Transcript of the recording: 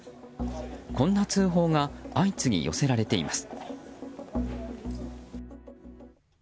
こんな通報が相次ぎ寄せられています。